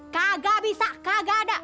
kagak bisa kagak ada